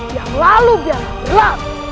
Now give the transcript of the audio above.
yang lalu biar berat